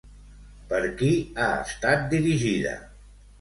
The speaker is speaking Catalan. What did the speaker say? Per qui ha estat dirigida?